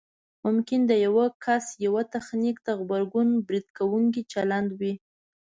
ممکن د یو کس یوه تخنیک ته غبرګون برید کوونکی چلند وي